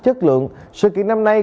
chất lượng sự kiện năm nay